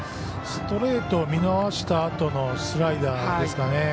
ストレートを見逃したあとスライダーですかね。